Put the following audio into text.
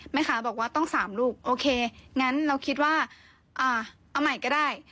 แม่ค้าบอกว่าต้อง๓ลูกโอเคงั้นเราคิดว่าเอาใหม่ก็ได้